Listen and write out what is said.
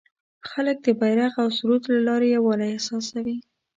خلک د بیرغ او سرود له لارې یووالی احساسوي.